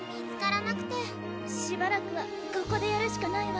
しばらくはここでやるしかないわ。